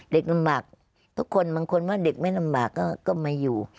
ลำบากทุกคนบางคนว่าเด็กไม่ลำบากก็ไม่อยู่